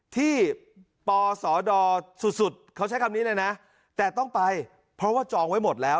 ที่ปศดสุดเขาใช้คำนี้เลยนะแต่ต้องไปเพราะว่าจองไว้หมดแล้ว